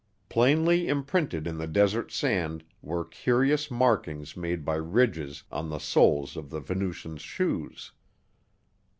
Plainly imprinted in the desert sand were curious markings made by ridges on the soles of the Venusian's shoes.